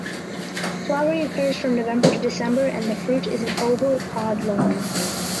Flowering occurs from November to December and the fruit is an oval pod long.